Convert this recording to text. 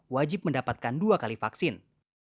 wajib mendapatkan dua kali vaksin